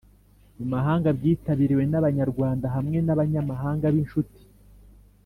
mu mahanga byitabiriwe n Abanyarwanda hamwe n abanyamahanga b inshuti